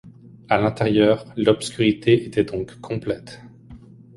À l’intérieur, l’obscurité était donc complète.